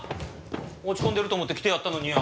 落ち込んでると思って来てやったのによ。